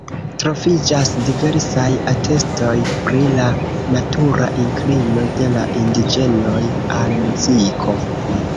Troviĝas diversaj atestoj pri la natura inklino de la indiĝenoj al muziko.